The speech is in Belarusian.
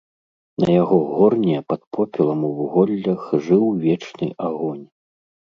На яго горне пад попелам у вуголлях жыў вечны агонь.